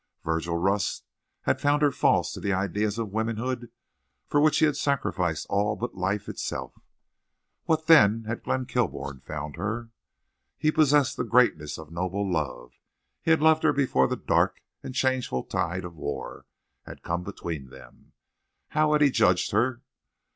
Virgil Rust had found her false to the ideals of womanhood for which he had sacrificed all but life itself. What then had Glenn Kilbourne found her? He possessed the greatness of noble love. He had loved her before the dark and changeful tide of war had come between them. How had he judged her?